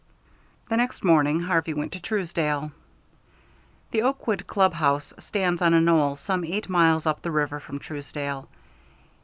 The next morning Harvey went to Truesdale. The Oakwood Club House stands on a knoll some eight miles up the river from Truesdale.